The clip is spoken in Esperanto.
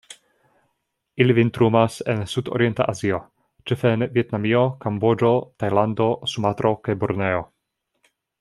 Ili vintrumas en Sudorienta Azio, ĉefe en Vjetnamio, Kamboĝo, Tajlando, Sumatro kaj Borneo.